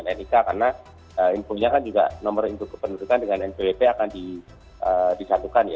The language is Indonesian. maka tidak akan dikoneksi dengan nik karena nomor input kependudukan dengan nkwp akan disatukan